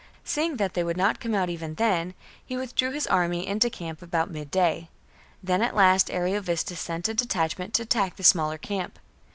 Seeing that they would not come out even then, he withdrew his army into camp about midday. Then at last Ariovistus sent a detachment to attack the smaller camp.